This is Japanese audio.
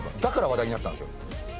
だから話題になったんですよ。